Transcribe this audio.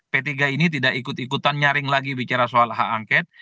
p tiga ini tidak ikut ikutan nyaring lagi bicara soal hak angket